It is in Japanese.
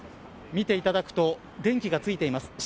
見ていただくと電気がついています。